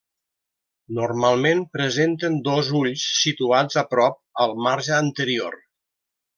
Normalment presenten dos ulls situats a prop al marge anterior.